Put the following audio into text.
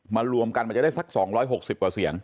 รวมกันมันจะได้สัก๒๖๐กว่าเสียง